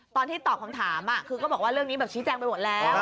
ตอนที่ตอบคำถามคือก็บอกว่าเรื่องนี้แบบชี้แจงไปหมดแล้ว